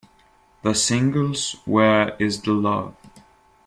The singles Where Is The Love?